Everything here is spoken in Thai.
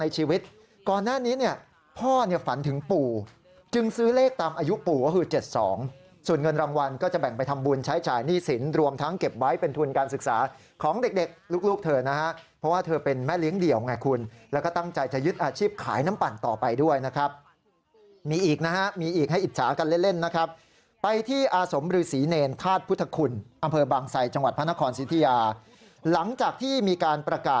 จ่ายหนี้สินรวมทั้งเก็บไว้เป็นทุนการศึกษาของเด็กลูกเธอนะฮะเพราะว่าเธอเป็นแม่เลี้ยงเดี่ยวไงคุณแล้วก็ตั้งใจจะยึดอาชีพขายน้ำปั่นต่อไปด้วยนะครับมีอีกนะฮะมีอีกให้อิจฉากันเล่นนะครับไปที่อสมฤษีเนรทาสพุทธคุณอำเภอบางสัยจังหวัดพระนครสิทธิยาหลังจากที่มีการประกา